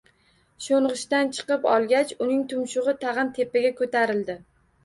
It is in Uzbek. Sho‘ng‘ishdan chiqib olgach, uning tumshug‘i tag‘in tepaga ko‘tarildi